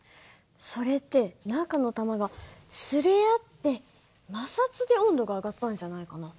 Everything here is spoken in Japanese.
それって中の玉が擦れ合って摩擦で温度が上がったんじゃないかな？